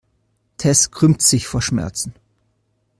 Tess krümmt sich vor Schmerzen.